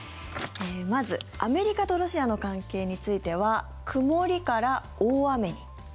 まず、アメリカとロシアの関係については曇りから大雨に。